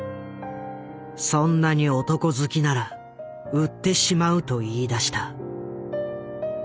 「そんなに男好きなら売ってしまう」と言いだした。